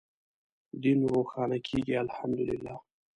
دین روښانه کېږي الحمد لله.